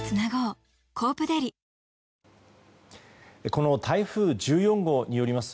この台風１４号によります